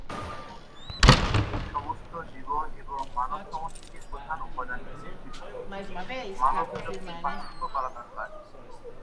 পৃথিবীর সমস্ত জীবন এবং মানব সংস্কৃতির প্রধান উপাদানগুলির বিলুপ্তি থেকে মানব বিলুপ্তির পার্থক্য করা দরকার।